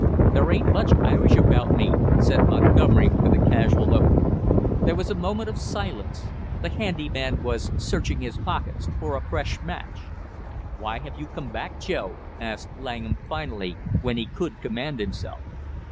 "There ain't much Irish about me!" said Montgomery, with a casual oath. There was a moment of silence. The handy man was searching his pockets for a fresh match. "Why have you come back, Joe?" asked Langham finally, when he could command himself.